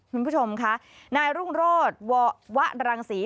คุณผู้ชมค่ะนายรุ่งโรธวะรังศรี